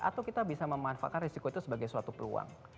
atau kita bisa memanfaatkan risiko itu sebagai suatu peluang